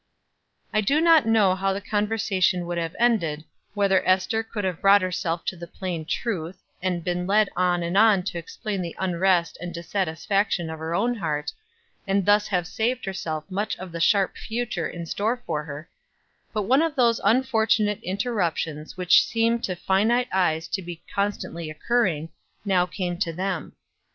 I do not know how the conversation would have ended, whether Ester could have brought herself to the plain truth, and been led on and on to explain the unrest and dissatisfaction of her own heart, and thus have saved herself much of the sharp future in store for her; but one of those unfortunate interruptions which seem to finite eyes to be constantly occurring, now came to them.